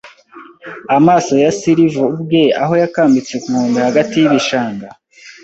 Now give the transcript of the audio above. amaso ya Silver ubwe aho yakambitse ku nkombe hagati y'ibishanga?